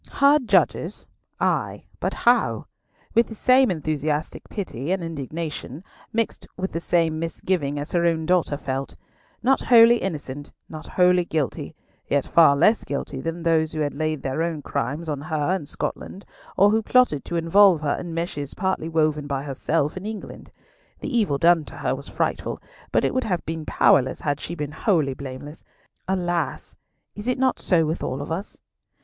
Her judges? Ay! but how? With the same enthusiastic pity and indignation, mixed with the same misgiving as her own daughter felt. Not wholly innocent, not wholly guilty, yet far less guilty than those who had laid their own crimes on her in Scotland, or who plotted to involve her in meshes partly woven by herself in England. The evil done to her was frightful, but it would have been powerless had she been wholly blameless. Alas! is it not so with all of us?